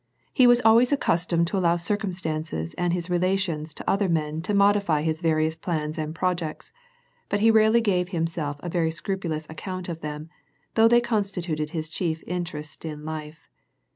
He was always accustomed to allow circumstances and his relations to other men to modify his various plans and projects ; but he rarely gave himself a very scrupulous account of them, though they constituted his chief interest in life.